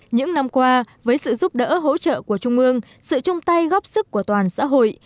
những năm qua với sự giúp đỡ hỗ trợ của trung ương sự chung tay góp sức của toàn xã hội